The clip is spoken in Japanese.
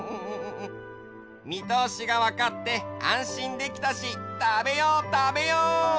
みとおしがわかってあんしんできたしたべようたべよう！